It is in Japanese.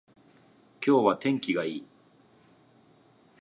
今日は天気がいい